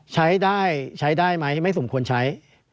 ใช้ได้ใช้ได้ไหมไม่สมควรใช้